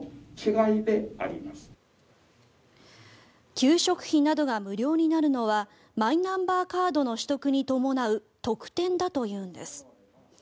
給食費などが無料になるのはマイナンバーカードの取得に伴う特典だというんです。